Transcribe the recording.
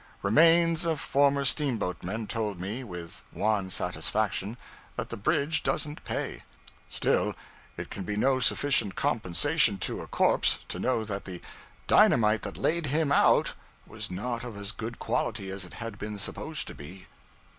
Remains of former steamboatmen told me, with wan satisfaction, that the bridge doesn't pay. Still, it can be no sufficient compensation to a corpse, to know that the dynamite that laid him out was not of as good quality as it had been supposed to be.